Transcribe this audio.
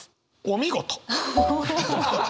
お見事！